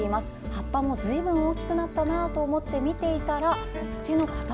葉っぱも、ずいぶん大きくなってきたなと思って見ていたら、土の塊？